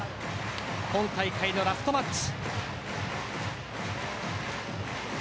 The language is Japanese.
今大会のラストマッチ。